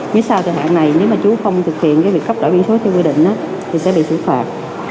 phía sau thời hạn này nếu mà chú không thực hiện cái việc cấp đổi biển số theo quy định thì sẽ bị xử phạt